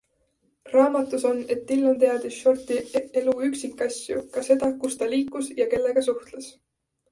Raamatus on, et Dillon teadis Shorti elu üksikasju, ka seda, kus ta liikus ja kellega suhtles.